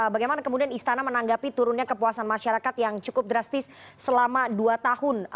bagaimana kemudian istana menanggapi turunnya kepuasan masyarakat yang cukup drastis selama dua tahun